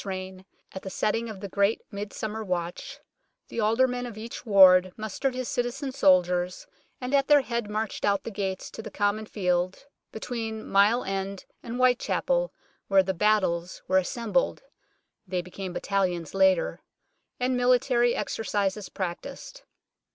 's reign, at the setting of the great Midsummer Watch, the Alderman of each ward mustered his citizen soldiers and at their head marched out of the gates to the common field between Mile end and Whitechapel, where the " battles " were assembled (they became battalions later) and military exercises practised.